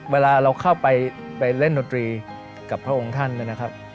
เวลาเราเข้าไปเล่นดนตรีกับพระองค์ท่านนะครับ